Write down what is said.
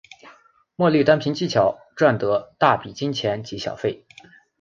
莫莉单凭技巧赚得大笔金钱及小费。